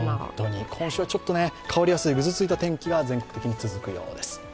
今週はちょっと変わりやすい、ぐずついた天気が全国的に続くようです。